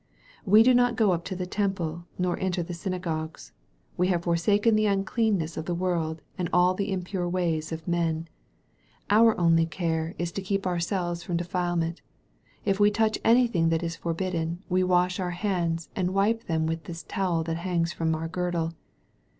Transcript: We do not go up to the Temple nor enter the synagogues. We have forsaken the uncleanness of the world and all the impure ways of men. Our only care is to 284 THE BOY OF NAZARETH DREAMS keep ourselves from defilement. If we touch any thing that is forbidden we wash our hands and wipe them with this towel that hangs from our girdle.